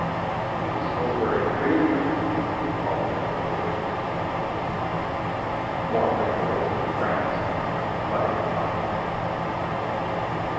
"He's over at Greenford," faltered the curate. "More likely over in France," muttered the cobbler.